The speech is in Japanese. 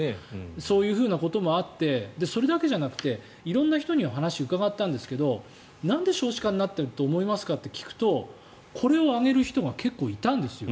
そういうこともあってそれだけじゃなくて色んな人にお話を伺ったんですけどなんで少子化になってると思いますかと聞くとこれを挙げる人が結構いたんですよ。